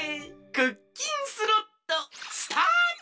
クッキンスロットスタート！